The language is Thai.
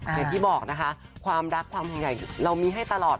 อย่างที่บอกนะคะความรักความห่วงใหญ่เรามีให้ตลอด